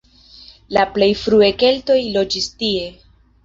La plej frue keltoj loĝis tie.